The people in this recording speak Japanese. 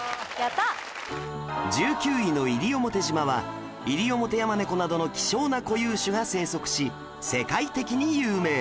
１９位の西表島はイリオモテヤマネコなどの希少な固有種が生息し世界的に有名